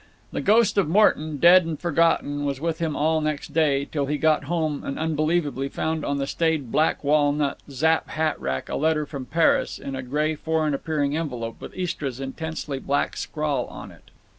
The ghost of Morton, dead and forgotten, was with him all next day, till he got home and unbelievably found on the staid black walnut Zapp hat rack a letter from Paris, in a gray foreign appearing envelope with Istra's intensely black scrawl on it.